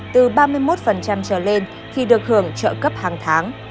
từ ba mươi một trở lên thì được hưởng trợ cấp hàng tháng